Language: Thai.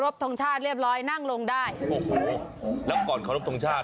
สวัสดีคุณครับ